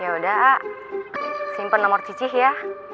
ya udah aa simpen nomor cici ya